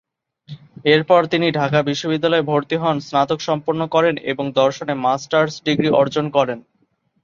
এরপর তিনি ঢাকা বিশ্ববিদ্যালয়ে ভর্তি হন, স্নাতক সম্পন্ন করেন এবং দর্শনে মাস্টার্স ডিগ্রী অর্জন করেন।